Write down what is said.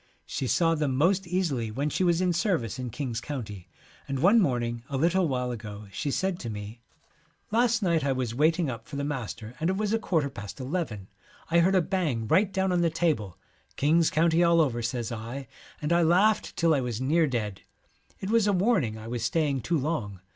She saw them most easily when she was in service in King's County, and one morning a little while ago she said to me, 1 Last night I was waiting up for the master and it was a quarter past eleven. I heard a bang right down on the table. " King's County all over," says I, and I laughed till I was near dead. It was a warning I was staying too long.